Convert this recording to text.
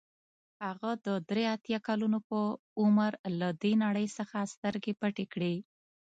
هغه د درې اتیا کلونو په عمر له دې نړۍ څخه سترګې پټې کړې.